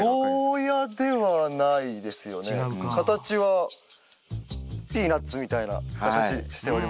違うか形はピーナツみたいな形しております。